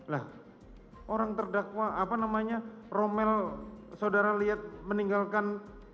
lah orang terdakwa apa namanya romel saudara lihat meninggalkan